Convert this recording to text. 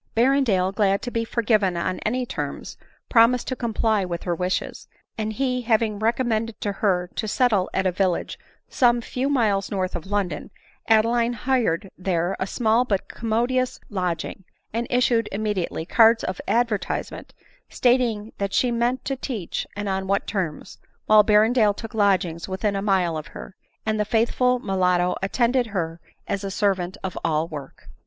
Berrendale, glad to be forgiven on any terms, promis ed to comply with her wishes ; and he having recom mended to her to settle at a village some few miles north of London, Adeline hired there a small but commodious lodging, and issued immediately cards of advertisement, stating what she meant to teach, and on what terms ; while Berrendale took lodgings within a mile of her, and the faithful mulatto attended her as a servant of all work.